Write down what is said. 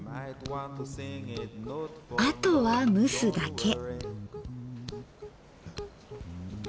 あとは蒸すだけ。